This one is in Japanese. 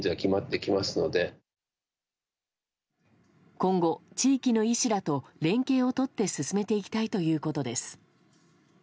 今後、地域の医師らと連携を取って進めていきたいということです。